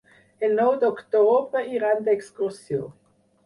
El nou d'octubre iran d'excursió.